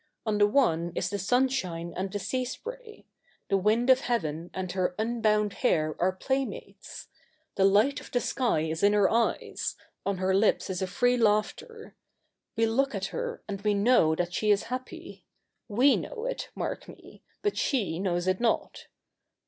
On the one is the sunshine and the sea spray. The wind of Heaven and her unbound hair are playmates. The light of the sky is in her eyes : on her lips is a free laughter. We look at her, and we know that she is happy. Jf 'e know it, mark me; but s/ie knows it not.